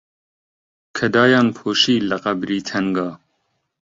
کە دایانپۆشی لە قەبری تەنگا